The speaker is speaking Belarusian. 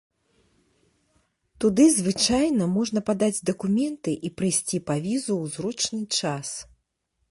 Туды звычайна можна падаць дакументы і прыйсці па візу ў зручны час.